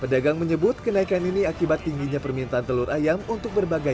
pedagang menyebut kenaikan ini akibat tingginya permintaan telur ayam untuk berbagai